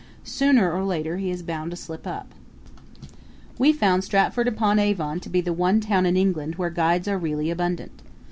Sooner or later he is bound to slip up. We found Stratford upon Avon to be the one town in England where guides are really abundant.